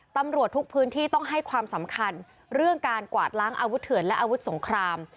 ตำรวจทุกพื้นที่ต้องให้ความสำคัญเรื่องการกวาดล้างอาวุธเถื่อนและอาวุธสงคราม